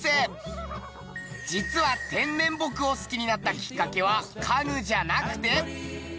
実は天然木を好きになったきっかけは家具じゃなくて。